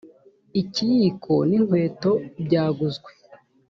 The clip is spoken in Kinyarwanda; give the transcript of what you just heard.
ikiyiko ni inkweto byaguzwe